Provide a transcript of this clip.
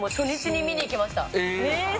えっ！？